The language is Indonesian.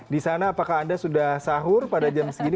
di sana apakah anda sudah sahur pada jam segini